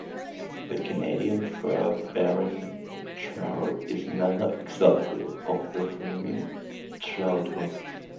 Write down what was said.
The Canadian fur-bearing trout is another example of the furry trout hoax.